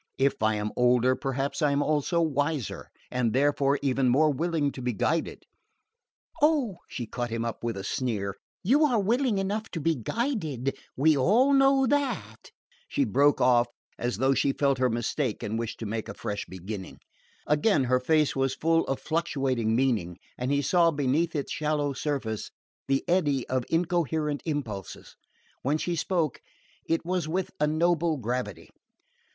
"If I am older, perhaps I am also wiser, and therefore even more willing to be guided we all knew that." She broke off, as though she felt her mistake and wished to make a fresh beginning. Again her face was full of fluctuating meaning; and he saw, beneath its shallow surface, the eddy of incoherent impulses. When she spoke, it was with a noble gravity.